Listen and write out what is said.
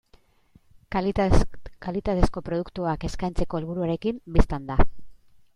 Kalitatezko produktuak eskaintzeko helburuarekin, bistan da.